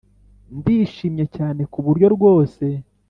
ndishimye cyane kuburyo rwose